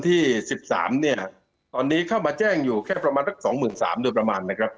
ที่๑๓เนี่ยตอนนี้เข้ามาแจ้งอยู่แค่ประมาณสองหมื่นสาม